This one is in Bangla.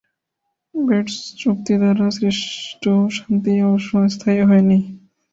বেটস চুক্তি দ্বারা সৃষ্ট শান্তি অবশ্য স্থায়ী হয়নি।